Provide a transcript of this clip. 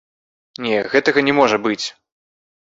Не, гэтага не можа быць.